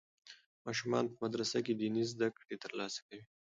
ماشومان په مدرسه کې دیني زده کړې ترلاسه کوي.